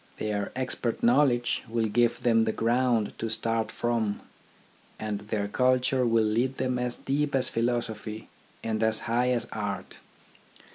Their ex pert knowledge will give them the ground to start from, and their culture will lead them as deep as philosophy and as high as art.